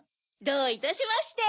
どういたしまして！